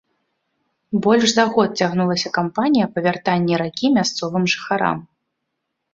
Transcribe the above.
Больш за год цягнулася кампанія па вяртанні ракі мясцовым жыхарам.